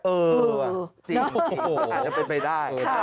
เออจริงอาจจะเป็นไปได้